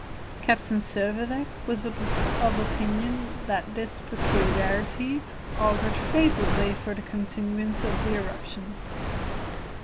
Captain Servadac was of opinion that this peculiarity augured favorably for the continuance of the eruption.